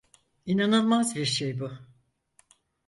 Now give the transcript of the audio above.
İnanılmaz bir şey bu.